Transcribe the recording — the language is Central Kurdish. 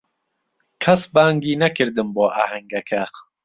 کەس بانگی نەکردم بۆ ئاهەنگەکە.